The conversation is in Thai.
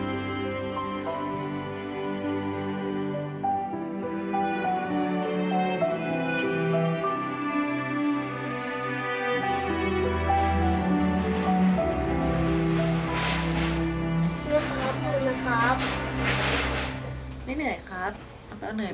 น้ำเตาเหนื่อยมั้ยครับ